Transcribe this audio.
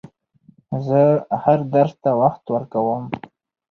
زه هر درس ته وخت ورکووم.